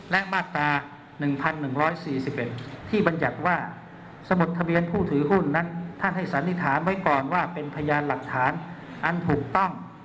และมาตรา๑๑๔๑ที่บรรยัติว่าสมุดทะเบียนผู้ถือหุ้นนั้นท่านให้สันนิษฐานไว้ก่อนว่าเป็นพยานหลักฐานอันถูกต้อง